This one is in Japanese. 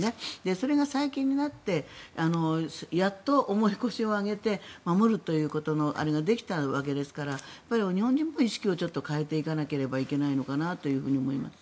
それが最近になってやっと重い腰を上げて守るということのあれができたわけですから日本人も意識を変えていかなければいけないのかなと思います。